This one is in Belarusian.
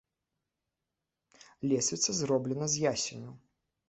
Лесвіца зробленая з ясеню.